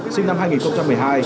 sinh năm hai nghìn một mươi hai